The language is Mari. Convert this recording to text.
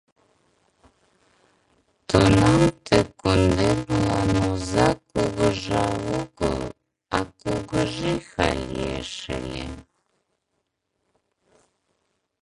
Тунам ты кундемлан оза Кугыжа огыл, а Кугыжиха лиеш ыле!..